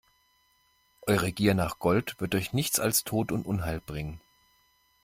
Eure Gier nach Gold wird euch nichts als Tod und Unheil bringen!